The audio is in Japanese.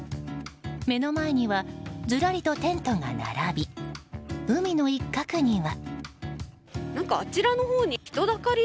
目の前にはずらりとテントが並び海の一角には。